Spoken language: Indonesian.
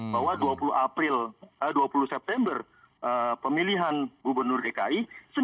bahwa dua puluh september pemilihan gubernur dki